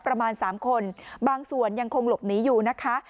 ประมาณ๓คนบางส่วนยังคงหลบหนีอยู่นะคะ